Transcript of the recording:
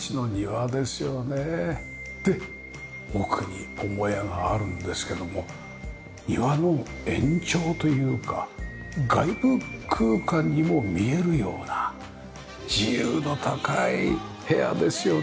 で奥に母屋があるんですけども庭の延長というか外部空間にも見えるような自由度高い部屋ですよね。